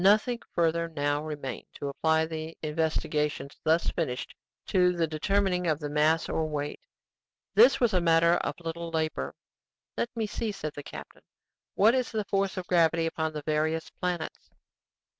Nothing further now remained than to apply the investigations thus finished to the determining of the mass or weight. This was a matter of little labor. "Let me see," said the captain; "what is the force of gravity upon the various planets?"